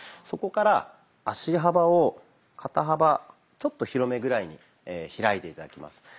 そこから足幅を肩幅ちょっと広めぐらいに開いて頂きます。